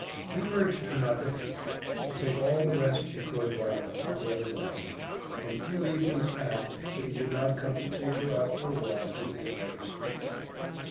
He urged her not to hasten to take all the rest she could while the hot weather lasted, and few evenings passed that he did not come to take her out for a walk through the quieter streets.